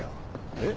えっ？